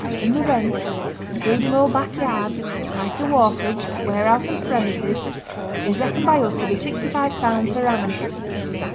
And the rent, including all back yards, right of wharfage, warehouse, and premises, is reckoned by us to be sixty five pound per annum.